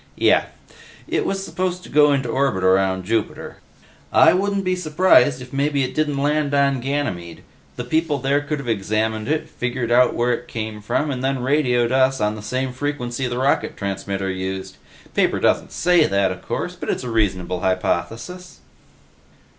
"Yeh. It was supposed to go into orbit around Jupiter. I wouldn't be surprised if maybe it didn't land on Ganymede; the people there could have examined it, figured out where it came from, and then radioed us on the same frequency the rocket transmitter used. Paper doesn't say that, of course, but it's a reasonable hypothesis."